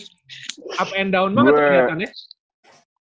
up and down banget keliatan ya